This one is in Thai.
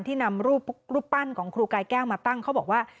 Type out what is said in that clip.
ที่นำรูปปั้นของครูกายแก้วมาตั้งเขาบอกว่า